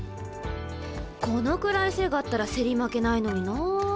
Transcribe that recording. このくらい背があったら競り負けないのになあ。